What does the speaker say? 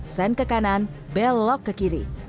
sen ke kanan belok ke kiri